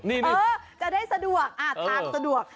เออจะได้สะดวกทางสะดวก